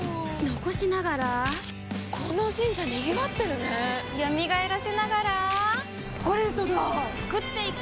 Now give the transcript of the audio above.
残しながらこの神社賑わってるね蘇らせながらコレドだ創っていく！